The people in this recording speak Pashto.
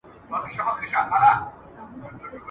ویل جار دي تر نامه سم مُلاجانه !.